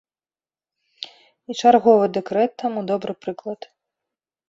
І чарговы дэкрэт таму добры прыклад.